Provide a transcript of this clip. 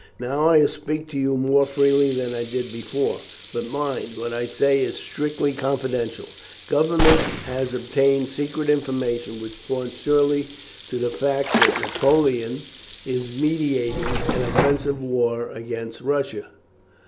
Now I will speak to you more freely than I did before, but mind, what I say is strictly confidential. Government have obtained secret information which points surely to the fact that Napoleon is meditating an offensive war against Russia.